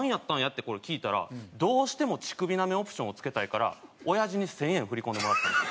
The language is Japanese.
ってこれ聞いたらどうしても乳首なめオプションをつけたいからおやじに１０００円振り込んでもらってたんですよ。